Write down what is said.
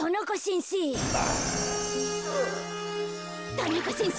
田中先生